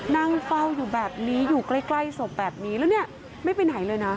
นั่งเฝ้าอยู่แบบนี้อยู่ใกล้ศพแบบนี้แล้วเนี่ยไม่ไปไหนเลยนะ